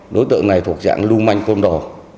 đối tượng này thuộc dạng lưu manh con đỏ